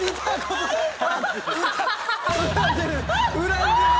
恨んでる！